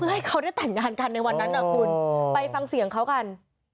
ให้เขาได้แต่งงานกันในวันนั้นนะคุณไปฟังเสียงเขากัน